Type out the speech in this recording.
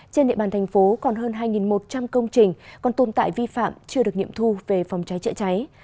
trên địa bàn thành phố còn hơn hai một trăm linh công trình còn tồn tại vi phạm chưa được nghiệm thu về phòng cháy chữa cháy